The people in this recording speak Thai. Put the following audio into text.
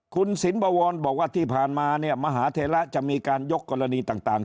คุณศิลปะวรบอกว่าที่ผ่านมามหาเทละจะมีการยกกรณีต่าง